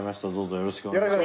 よろしくお願いします。